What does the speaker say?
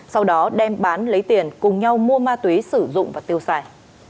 sau đó đem bán lấy tiền cùng nhau mua ma túy sử dụng và tiêu xài